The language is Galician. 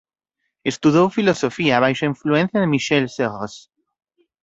Estudou filosofía baixo a influencia de Michel Serres.